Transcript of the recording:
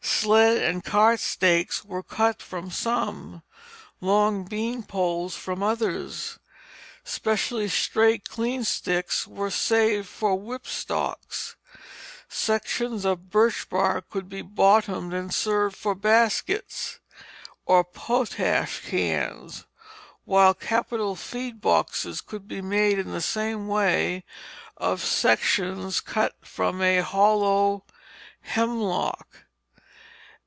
Sled and cart stakes were cut from some; long bean poles from others; specially straight clean sticks were saved for whip stocks. Sections of birch bark could be bottomed and served for baskets, or for potash cans, while capital feed boxes could be made in the same way of sections cut from a hollow hemlock.